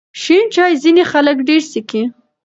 شین چای ځینې خلک ډېر څښي.